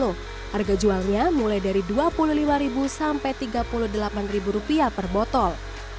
harga jualnya mulai dari rp dua puluh lima sampai rp tiga puluh delapan per botol